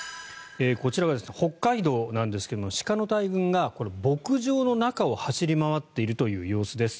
こちらは北海道なんですが鹿の大群が牧場の中を走り回っているという様子です。